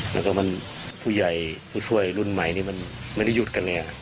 แล้วก็มันผู้ใหญ่ผู้ช่วยรุ่นใหม่นี่มันไม่ได้หยุดกันไง